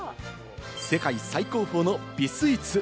世界最高峰の美スイーツ。